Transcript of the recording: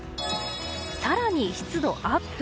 更に湿度アップ。